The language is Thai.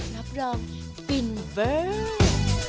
รับรองฟินเบอร์